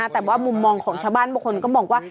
แต่ว่ามุมมองของชาวบ้านบางคนก็มองว่า